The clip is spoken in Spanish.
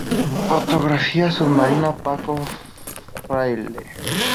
Fotografía Submarina: Paco Fraile.